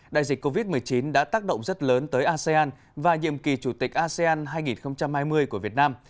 đại dịch covid một mươi chín đã tác động rất lớn tới asean và nhiệm kỳ chủ tịch asean hai nghìn hai mươi của việt nam